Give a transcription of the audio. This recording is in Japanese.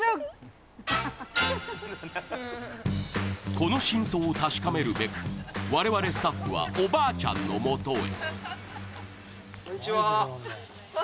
この真相を確かめるべく、我々スタッフはおばあちゃんのもとへ。